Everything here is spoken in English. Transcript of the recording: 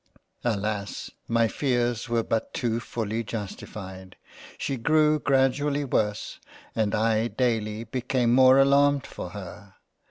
Alas ! my fears were but too fully justified ; she grew gradually worse — and I daily became more alarmed for her.